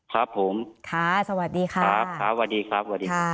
ครับผมสวัสดีค่ะสวัสดีครับ